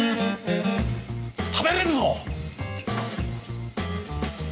食べれるぞ！